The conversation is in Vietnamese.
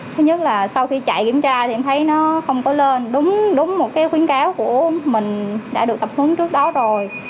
thứ nhất là sau khi chạy kiểm tra thì em thấy nó không có lên đúng đúng một cái khuyến cáo của mình đã được tập hứng trước đó rồi